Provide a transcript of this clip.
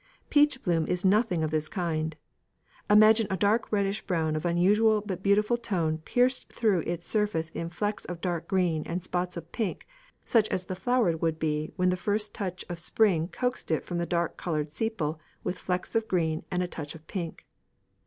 Peach bloom is nothing of this kind. Imagine a dark reddish brown of unusual but beautiful tone pierced through its surface in flecks of dark green and spots of pink such as the flower would be when the first touch of spring coaxed it from the dark coloured sepal with flecks of green and a touch of pink.